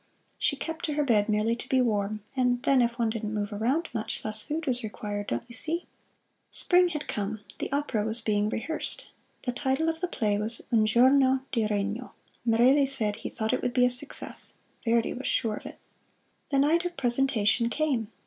She kept to her bed merely to be warm; and then if one didn't move around much, less food was required don't you see? Spring had come. The opera was being rehearsed. The title of the play was "Un Giorno di Regno." Merelli said he thought it would be a success; Verdi was sure of it. The night of presentation came.